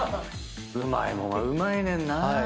うまいもんはうまいねんなぁ。